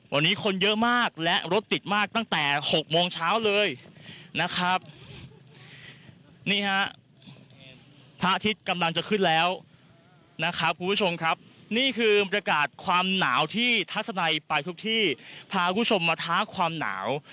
วันนี้คนเยอะมากและรถติดมากตั้งแต่๖โมงเช้าเลยนะครับนี่ฮะพระอาทิตย์กำลังจะขึ้นแล้วนะครับคุณผู้ชมครับนี่คือบรรยากาศความหนาวที่ทัศนัยไปทุกที่พาคุณผู้ชมมาท้าความหนาว